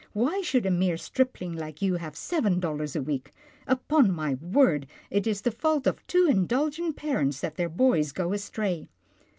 Why should a mere stripling like you have seven dollars a week. Upon my word, it is the fault of too indulgent parents that their boys go astray."